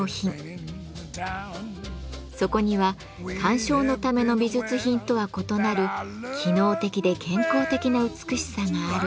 そこには鑑賞のための美術品とは異なる機能的で健康的な美しさがある。